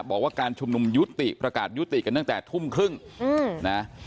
บอกว่าการชุมนุมยุติประกาศยุติกันตั้งแต่ทุ่มครึ่งนะ